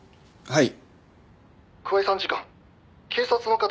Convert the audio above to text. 「はい」